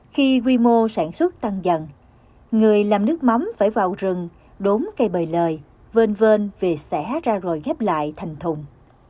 khi quy mô sản xuất tăng dần người làm nước mắm phải vào rừng đốn cây bời lời vơn vơn về xẻ ra rồi ghép lại thành thùng